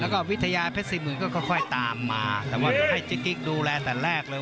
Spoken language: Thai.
แล้วก็วิทยาเพชรสี่หมื่นก็ค่อยตามมาแต่ว่าให้จิ๊กกิ๊กดูแลแต่แรกเลย